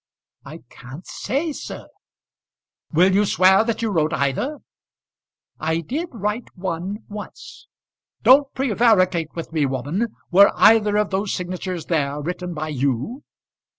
"I can't say, sir." "Will you swear that you wrote either?" "I did write one once." "Don't prevaricate with me, woman. Were either of those signatures there written by you?"